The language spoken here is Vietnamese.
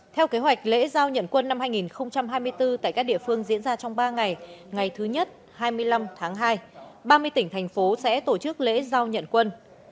theo kế hoạch lễ giao nhận quân năm hai nghìn hai mươi bốn tại các địa phương diễn ra trong ba ngày ngày thứ nhất hai mươi năm tháng hai ba mươi tỉnh thành phố sẽ tổ chức lễ giao nhận quân